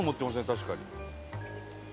確かに。